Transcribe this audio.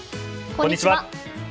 こんにちは。